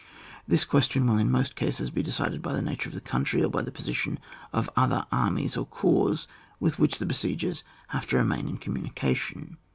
This question will, in most cases, be de cided by the nature of the country, or by the position of other armies or corps with which the besiegers have to remain in communication.